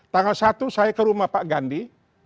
tanggal satu saya ke rumah pak gandhi